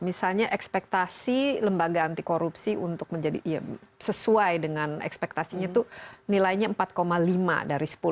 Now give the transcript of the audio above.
misalnya ekspektasi lembaga anti korupsi untuk menjadi ya sesuai dengan ekspektasinya itu nilainya empat lima dari sepuluh